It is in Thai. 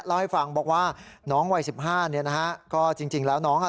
เล่าให้ฟังบอกว่าน้องวัยสิบห้าเนี่ยนะฮะก็จริงจริงแล้วน้องอ่ะ